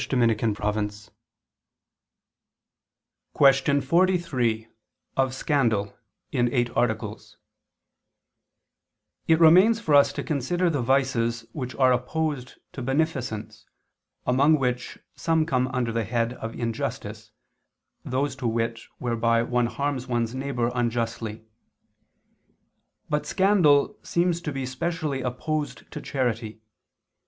_______________________ QUESTION 43 OF SCANDAL (In Eight Articles) It remains for us to consider the vices which are opposed to beneficence, among which some come under the head of injustice, those, to wit, whereby one harms one's neighbor unjustly. But scandal seems to be specially opposed to charity.